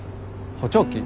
補聴器？